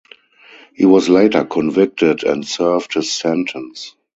He was later convicted and served his sentence.